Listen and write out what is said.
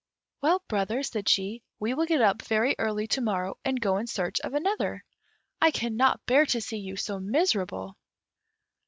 "Well, brother," said she, "we will get up very early to morrow and go in search of another; I cannot bear to see you so miserable."